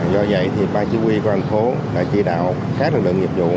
do vậy ban chủ huy công an thành phố đã chỉ đạo các lực lượng nhập vụ